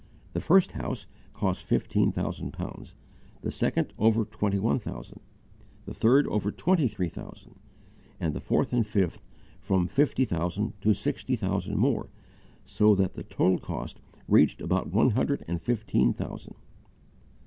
The first house cost fifteen thousand pounds; the second, over twenty one thousand; the third, over twenty three thousand; and the fourth and fifth, from fifty thousand to sixty thousand more so that the total cost reached about one hundred and fifteen thousand.